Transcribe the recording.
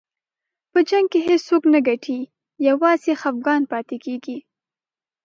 په جنګ کې هېڅوک نه ګټي، یوازې خفګان پاتې کېږي.